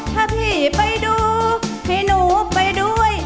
ถ้าพี่ไปดูพี่หนูไปด้วย